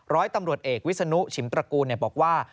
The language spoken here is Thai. ร้อยตำรวจเอกวิศนุชิมตระกูลบอกว่า